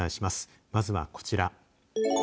まずはこちら。